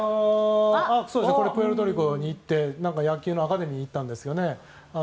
プエルトリコに行って野球のアカデミーに行ったんですよね。